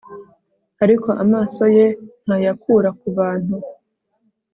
ariko amaso ye ntayakura ku bantu